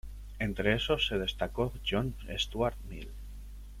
Entre esos se destacó John Stuart Mill.